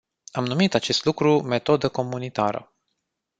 Am numit acest lucru metodă comunitară.